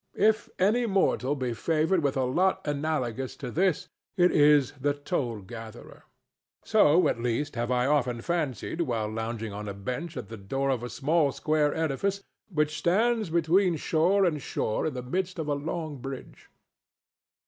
If any mortal be favored with a lot analogous to this, it is the toll gatherer. So, at least, have I often fancied while lounging on a bench at the door of a small square edifice which stands between shore and shore in the midst of a long bridge.